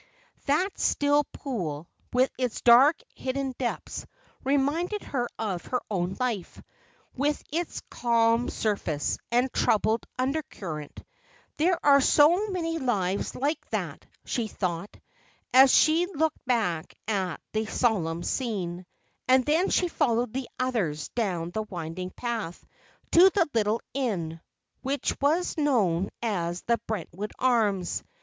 That still pool, with its dark, hidden depths, reminded her of her own life, with its calm surface, and troubled under current. "There are so many lives like that," she thought, as she looked back at the solemn scene. And then she followed the others, down the winding path, to the little inn, which was known as the Brentwood Arms.